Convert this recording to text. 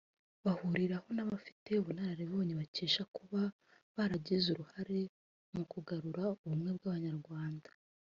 bahuriraho n’abafite ubunararibonye bakesha kuba baragize uruhare mu kugarura ubumwe bw’Abanyarwanda